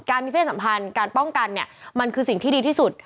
มีเพศสัมพันธ์การป้องกันเนี่ยมันคือสิ่งที่ดีที่สุด